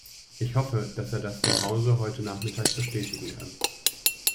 Ich hoffe, dass er das dem Hause heute nachmittag bestätigen kann.